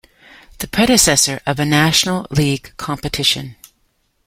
The predecessor of a national league competition.